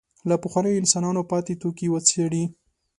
له پخوانیو انسانانو پاتې توکي وڅېړي.